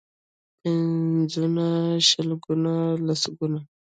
پنځونه، شلګون ، لسګون.